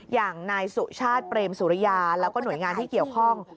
อย่างนายสุชาติเปรมสุริยาแล้วก็หน่วยงานที่เกี่ยวข้อง